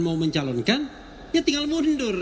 mau mencalonkan ya tinggal mundur